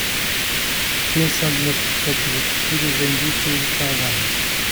Pensando nas perspectivas futuras da indústria de Taiwan